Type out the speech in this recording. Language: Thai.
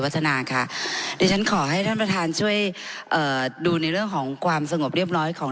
ค่ะดิฉันขอให้ท่านประธานช่วยเอ่อดูในเรื่องของความสงบเรียบร้อยของ